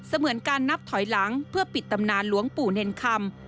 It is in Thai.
เหมือนการนับถอยหลังเพื่อปิดตำนานหลวงปู่เนรคำ